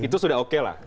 itu sudah oke lah